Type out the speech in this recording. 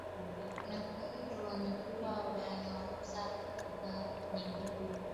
na kwa hiyo wamekuwa wanauza bidhaa nyingi